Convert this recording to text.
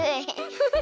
フフフ。